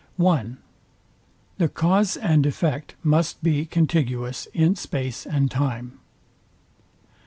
(1) The cause and effect must be contiguous in space and time.